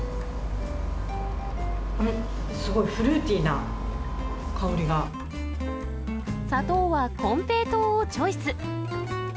ん、すごいフルーティーな香砂糖はこんぺい糖をチョイス。